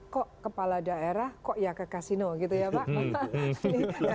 kok kepala daerah kok ya ke kasino gitu ya pak